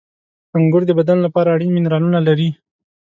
• انګور د بدن لپاره اړین منرالونه لري.